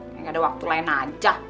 kayaknya ada waktu lain aja